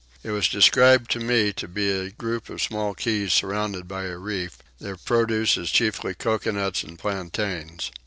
It was described to me to be a group of small keys surrounded by a reef: their produce is chiefly coconuts and plantains.